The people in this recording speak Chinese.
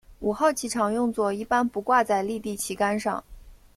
五号旗常用作一般不挂在立地旗杆上。